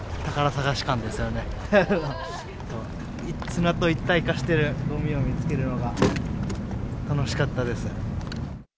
砂と一体化しているごみを見つけるのが楽しかったです。